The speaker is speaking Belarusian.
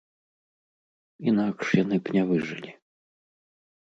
Інакш яны б не выжылі.